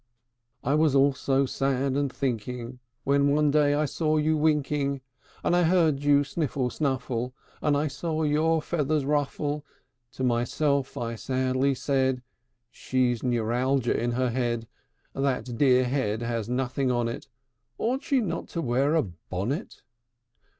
IV. "I was also sad, and thinking, When one day I saw you winking, And I heard you sniffle snuffle, And I saw your feathers ruffle: To myself I sadly said, 'She's neuralgia in her head! That dear head has nothing on it! Ought she not to wear a bonnet?'